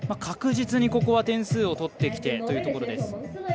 確実に、ここは点数を取ってきてというところ。